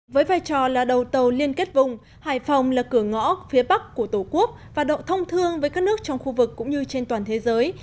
với vai trò là đầu tàu liên kết vùng hải phòng là cửa ngõ phía bắc của tổ quốc và độ thông thương với các nước trong khu vực cũng như trên toàn thế giới